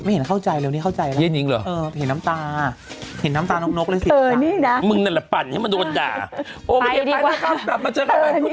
มาเจอกันแบบนู้นดีสวัสดีค่ะ